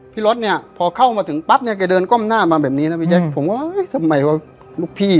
รถเนี่ยพอเข้ามาถึงปั๊บเนี่ยแกเดินก้มหน้ามาแบบนี้นะพี่แจ๊คผมก็เฮ้ยทำไมว่าลูกพี่